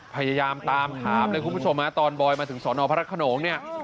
พยายามตามถามเลยคุณผู้ชมฮะตอนบอยมาถึงสอนอพระขนงเนี่ย